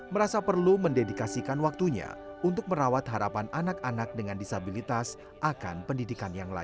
merasa perlu mendedikasikan waktunya untuk merawat harapan anak anak dengan disabilitas akan pendidikan yang layak